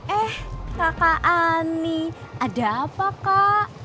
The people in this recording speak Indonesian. eh kakak ani ada apa kak